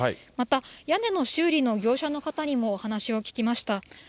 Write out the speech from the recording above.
また、屋根の修理の業者の方にもお話を聞きました。